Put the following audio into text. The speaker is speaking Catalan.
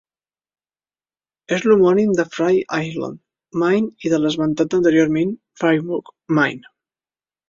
És l'homònim de Frye Island, Maine i de l'esmentat anteriorment Fryeburg, Maine.